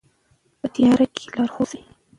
په تیاره کې لارښود اوسئ.